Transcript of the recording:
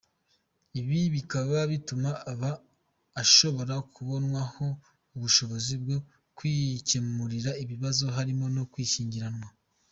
Ibi bikaba bituma aba ashobora kubonwaho ubushobozi bwo kwikemurira ibibazo harimo no gushyingiranwa.